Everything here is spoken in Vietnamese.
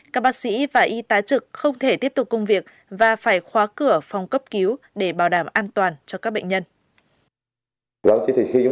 các bác sĩ và y tá trực không thể tiếp tục công việc và phải khóa cửa phòng cấp cứu để bảo đảm an toàn cho các bệnh nhân